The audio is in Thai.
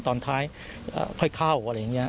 ตอนท้ายค่อยเข้าอะไรอย่างนี้